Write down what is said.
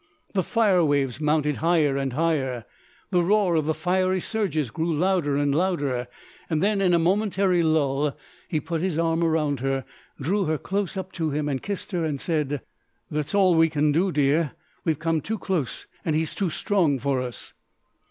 The fire waves mounted higher and higher, the roar of the fiery surges grew louder and louder. Then in a momentary lull, he put his arm round her, drew her close up to him and kissed her and said: "That's all we can do, dear. We've come too close and he's too strong for us."